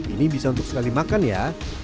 ini bisa untuk sekali makan ya